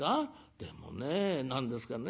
でもね何ですかね